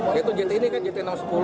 yaitu jt ini kan jt enam ratus sepuluh